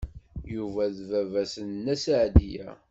Yuba d baba-s n Nna Seɛdiya.